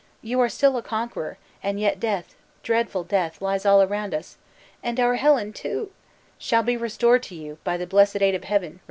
You are still a conqueror, and yet death, dreadful death, lies all around us! And our Helen, too " "Shall be restored to you, by the blessed aid of Heaven!"